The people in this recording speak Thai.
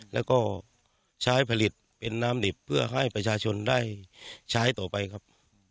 แล้วก็ใช้ผลิตเป็นน้ำดิบเพื่อให้ประชาชนได้ใช้ต่อไปครับ